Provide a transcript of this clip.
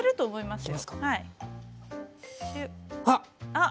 あっ！